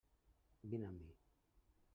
Vine amb mi.